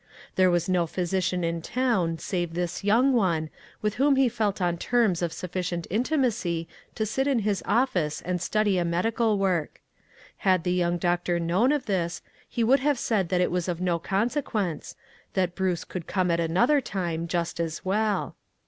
There was no physician in town, save this young one, with whom he felt on terms of suffi cient intimacy to sit in his office and study a medical work. Had the young doctor known of this, he would have said that it was of no consequence, that Bruce could come at another time just as well.